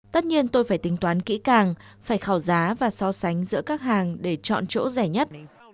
tất nhiên tôi phải tính toán kỹ càng phải khảo giá và so sánh giữa các hàng để chọn chỗ rẻ nhất